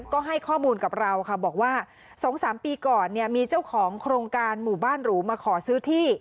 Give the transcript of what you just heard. ก็ให้ข้อมูลกับเราค่ะบอกว่า๒๓ปีก่อนเนี่ยมีเจ้าของโครงการหมู่บ้านหรูมาขอซื้อที่